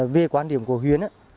về quan điểm của huyện